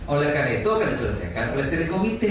oleh karena itu akan diselesaikan oleh steering committee